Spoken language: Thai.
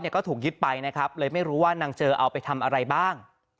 ก็ถูกยึดไปนะครับเลยไม่รู้ว่านางเจอเอาไปทำอะไรบ้าง